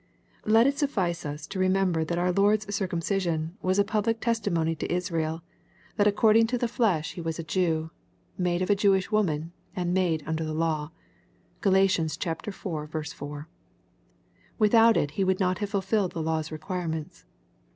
Let it suffice us to remember that our Lord's circum cision was a public testim )ny to Israel, that according to 62 EXPOSITORY THOUGHTS. the flesh He was a Jew, made of a Jewish woman, and •* made under the law." (Galat. iv. 4.) Without it He would not have fulfilled the law's requirements.